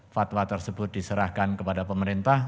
fatwa tersebut diserahkan kepada pemerintah